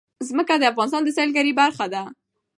ځمکه د افغانستان د سیلګرۍ برخه ده.